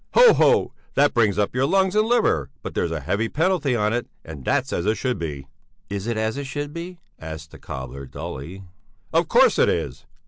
"Hoho! That brings up your lungs and liver, but there's a heavy penalty on it, and that's as it should be." "Is it as it should be?" asked the cobbler dully. "Of course it is!